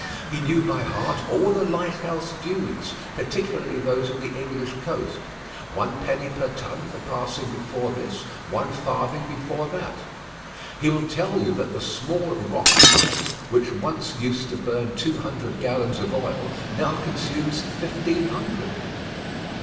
He knew by heart all the lighthouse dues particularly those of the English coast one penny per ton for passing before this; one farthing before that. He would tell you that the Small Rock Light which once used to burn two hundred gallons of oil, now consumes fifteen hundred.